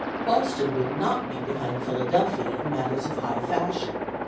Boston would not be behind Philadelphia in matters of high fashion.